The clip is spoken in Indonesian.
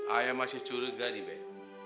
ayah masih curiga dibet